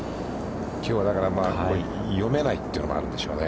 きょうは読めないというのもあるんでしょうね。